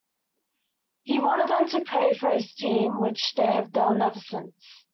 He wanted them to pray for his team, which they have done ever since.